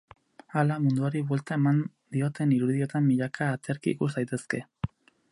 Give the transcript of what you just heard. Hala, munduari buelta eman dioten irudietan milaka aterki ikus daitezke.